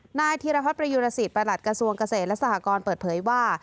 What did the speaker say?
หน้าธิรพประยุราศิษฐ์ประหลัดกระสวงเกษตรและสหกรเปิดเผยว่า